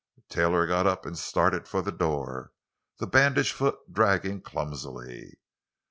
Taylor got up and started for the door, the bandaged foot dragging clumsily.